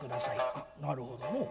あなるほどのう。